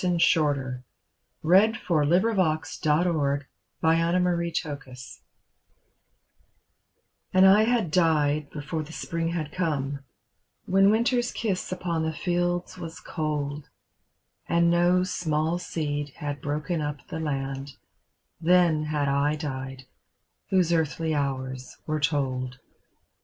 THE SAD YEARS FOR HE HAD GREAT POSSESSIONS AND I had died before the spring had come, When winter's kiss upon the fields was cold. And no small seed had broken up the land, Then had I died, whose earthly hours were told.